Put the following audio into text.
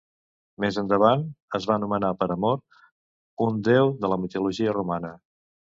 Més endavant es va nomenar per Amor, un déu de la mitologia romana.